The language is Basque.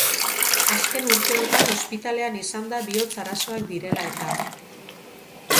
Azken urteotan ospitalean izan da bihotz-arazoak direla eta.